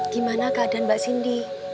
gimana keadaan mbak cindy